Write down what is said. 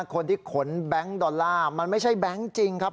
คนที่ขนแบงค์ดอลลาร์มันไม่ใช่แบงค์จริงครับ